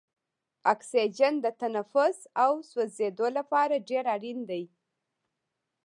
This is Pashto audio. اکسیجن د تنفس او سوځیدو لپاره ډیر اړین دی.